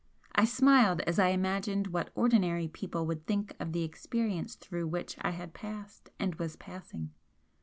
I smiled as I imagined what ordinary people would think of the experience through which I had passed and was passing.